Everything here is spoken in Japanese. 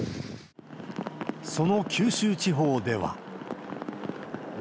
その九州地方では。